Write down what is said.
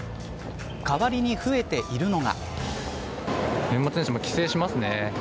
代わりに増えているのが。